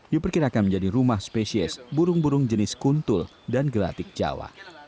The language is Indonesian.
diperkirakan menjadi rumah spesies burung burung jenis kuntul dan gelatik jawa